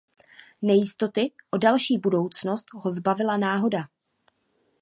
Nejistoty o další budoucnost ho zbavila náhoda.